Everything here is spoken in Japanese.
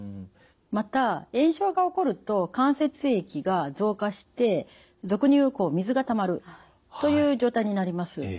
また炎症が起こると関節液が増加して俗に言う水がたまるという状態になります。